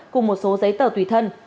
cùng một số giấy tờ tùy thân